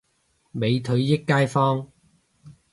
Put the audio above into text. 美腿益街坊